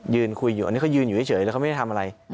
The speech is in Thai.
ยืนคุยอยู่อันนี้เขายืนอยู่เฉยแล้วเขาไม่ได้ทำอะไร